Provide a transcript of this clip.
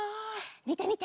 みてみて！